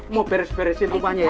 mau beres beresin rumahnya ya